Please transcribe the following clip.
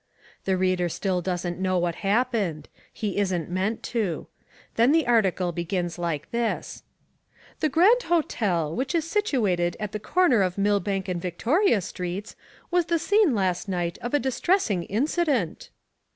The reader still doesn't know what happened; he isn't meant to. Then the article begins like this: "The Grand Hotel, which is situated at the corner of Millbank and Victoria Streets, was the scene last night of a distressing incident."